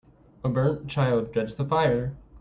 A burnt child dreads the fire.